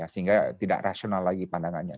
sehingga tidak rasional lagi pandangannya